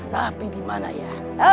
tapi dimana ya